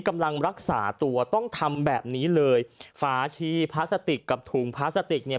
กำลังรักษาตัวต้องทำแบบนี้เลยฝาชีพลาสติกกับถุงพลาสติกเนี่ย